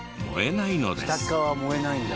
下側燃えないんだ。